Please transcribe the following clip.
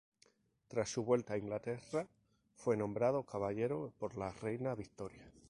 Tras su vuelta a Inglaterra fue nombrado caballero por la reina Victoria.